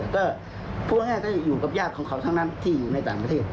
ก็พูดง่ายก็อยู่กับญาติของเขาทั้งนั้นที่อยู่ในต่างประเทศ